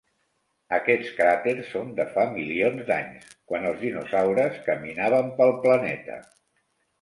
Aquests cràters son de fa milions d'anys, quan els dinosaures caminaven pel planeta.